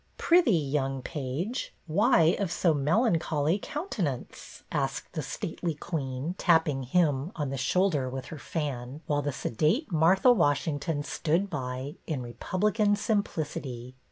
" Prithee, young page, why of so mel ancholy countenance ?" asked the stately BETTY BAIRD 244 queen, tapping " him " on the shoulder with her fan, while the sedate Martha Washing ton stood by, in republican simplicity.